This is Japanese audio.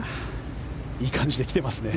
いい感じで来てますね。